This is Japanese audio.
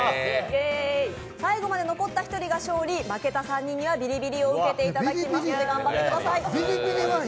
最後まで残った１人が勝利負けた３人にはビリビリを受けていただきますので頑張ってください。